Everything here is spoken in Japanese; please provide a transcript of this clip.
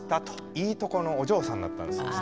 いいとこのお嬢さんだったんです。